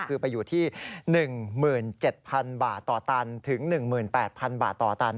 คือไปอยู่ที่๑๗๐๐บาทต่อตันถึง๑๘๐๐๐บาทต่อตัน